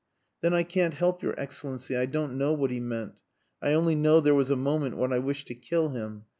"Then I can't help your Excellency. I don't know what he meant. I only know there was a moment when I wished to kill him.